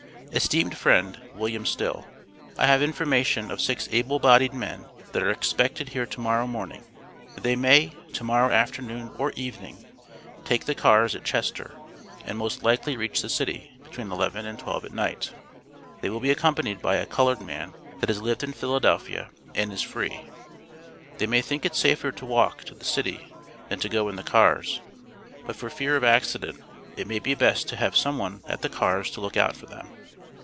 ESTEEMED FRIEND: WILLIAM STILL: I have information of 6 able bodied men that are expected here to morrow morning; they may, to morrow afternoon or evening, take the cars at Chester, and most likely reach the city between 11 and 12 at night; they will be accompanied by a colored man that has lived in Philadelphia and is free; they may think it safer to walk to the city than to go in the cars, but for fear of accident it may be best to have some one at the cars to look out for them.